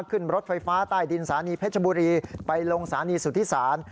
ขึ้นรถไฟฟ้าใต้ดินสถานีเพชรบุรีไปลงสถานีสุทธิศาล